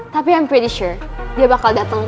tapi i'm pretty sure dia bakal dateng kok